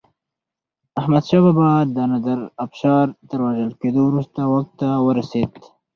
احمدشاه بابا د نادر افشار تر وژل کېدو وروسته واک ته ورسيد.